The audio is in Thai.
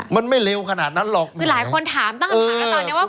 มันไม่เร็วขนาดนั้นหรอกคือหลายคนถามตั้งคำถามนะตอนนี้ว่า